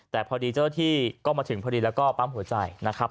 แต่พอดีเจ้าที่ก็มาถึงพอดีแล้วก็ปั๊มหัวใจนะครับ